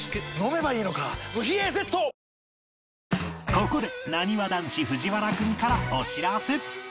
ここでなにわ男子藤原君からお知らせ。